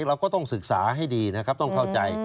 เราก็ต้องศึกษาให้ดีต้องเข้าใจ